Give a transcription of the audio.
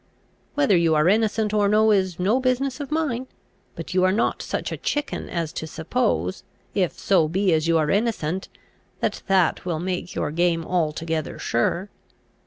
Whether you are innocent or no is no business of mine; but you are not such a chicken as to suppose, if so be as you are innocent, that that will make your game altogether sure.